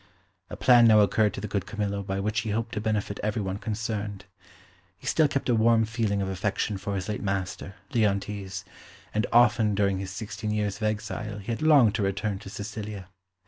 A plan now occurred to the good Camillo by which he hoped to benefit every one concerned. He still kept a warm feeling of affection for his late master, Leontes, and often during his sixteen years of exile he had longed to return to Sicilia.